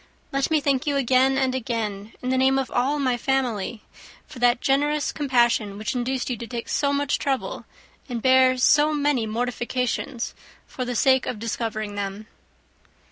Let me thank you again and again, in the name of all my family, for that generous compassion which induced you to take so much trouble, and bear so many mortifications, for the sake of discovering them."